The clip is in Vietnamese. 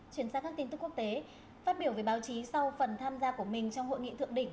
chuyển sang các tin tức quốc tế phát biểu với báo chí sau phần tham gia của mình trong hội nghị thượng đỉnh